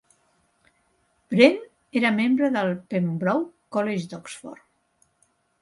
Wrenn era membre del Pembroke College d'Oxford.